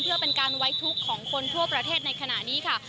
เพื่อเป็นการไว้ทุกข์ของคนทั่วประเทศในขณะนี้ค่ะ